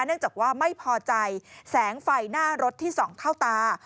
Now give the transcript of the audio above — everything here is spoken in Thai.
เนื่องจากว่าไม่พอใจแสงไฟหน้ารถที่ส่องเข้าตา